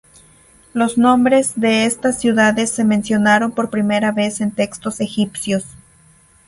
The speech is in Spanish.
Los nombres de estas ciudades se mencionaron por primera vez en textos egipcios.